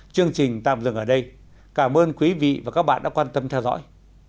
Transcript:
chương trình tạm dừng ở đây cảm ơn quý vị và các bạn đã quan tâm theo dõi